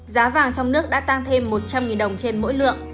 giá vàng trong nước đã tăng thêm một trăm linh đồng trên mỗi lượng